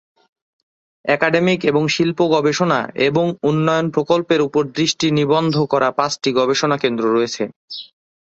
Academic এবং শিল্প গবেষণা এবং উন্নয়ন প্রকল্পের উপর দৃষ্টি নিবদ্ধ করা পাঁচটি গবেষণা কেন্দ্র রয়েছে।